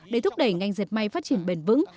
để thúc đẩy ngành dệt may phát triển bền vững